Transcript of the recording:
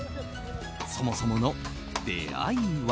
そもそもの出会いは。